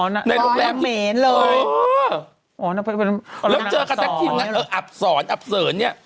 อ๋อนำเหมนเลย